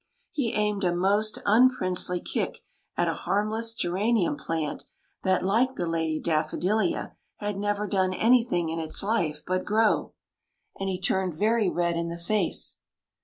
He aimed a most unprincely kick at a harmless geranium plant, that, like the Lady Daffodilia, had never done anything THE LADY DAFFODILIA 151 in its life but grow ; and he turned very red in the face.